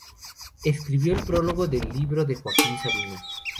Escribió el prólogo del libro de "'Joaquín Sabina.